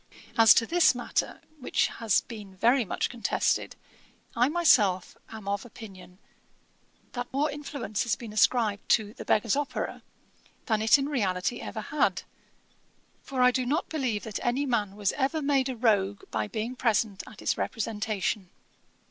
'As to this matter, which has been very much contested, I myself am of opinion, that more influence has been ascribed to The Beggar's Opera, than it in reality ever had; for I do not believe that any man was ever made a rogue by being present at its representation.